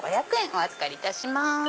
お預かりいたします。